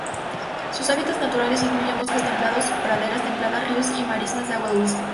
Sus hábitats naturales incluyen bosques templados, praderas templadas, ríos y marismas de agua dulce.